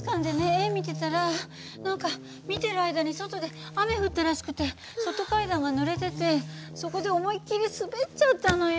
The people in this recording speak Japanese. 絵見てたら何か見てる間に外で雨降ったらしくて外階段がぬれててそこで思いっきり滑っちゃったのよ。